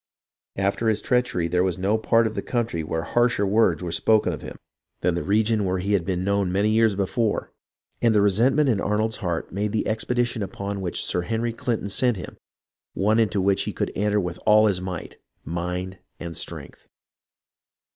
After his treachery there was no part of the country where harsher words were spoken of him than in 374 HISTORY OF THE AMERICAN REVOLUTION the region where he had been known years before, and the resentment in Arnold's heart made the expedition upon which Sir Henry CHnton sent him one into which he could enter with all his might, mind, and strength.